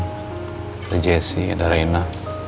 ada jessy ada reina